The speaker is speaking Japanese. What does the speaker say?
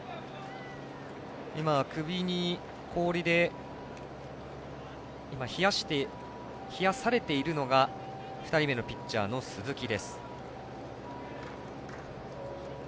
首に氷で冷やされているのが２人目のピッチャーの鈴木。